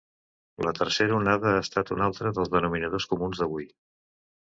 La tercera onada ha estat un altre dels denominadors comuns d’avui.